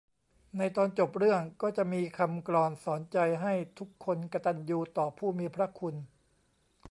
ในตอนจบเรื่องก็จะมีคำกลอนสอนใจให้ทุกคนกตัญญูต่อผู้มีพระคุณ